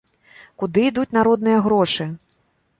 Куды ідуць народныя грошы?